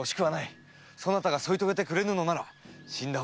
そなたが添い遂げてくれぬなら死んだ方がましだ。